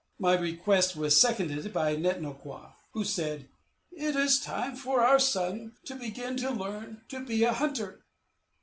My request was seconded by Net no kwa, who said, "It is time for our son to begin to learn to be a hunter."